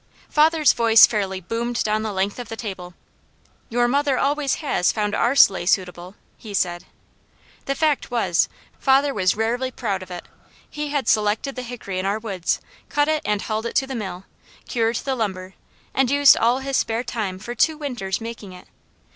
Father's voice fairly boomed down the length of the table. "Your mother always has found our sleigh suitable," he said. The fact was, father was rarely proud of it. He had selected the hickory in our woods, cut it and hauled it to the mill, cured the lumber, and used all his spare time for two winters making it.